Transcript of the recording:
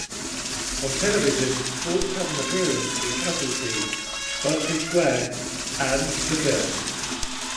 On television, Forbes had an appearance in "Casualty", "Berkeley Square" and "The Bill".